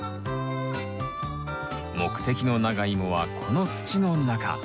目的のナガイモはこの土の中！